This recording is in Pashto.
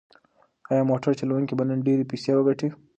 ایا موټر چلونکی به نن ډېرې پیسې وګټي؟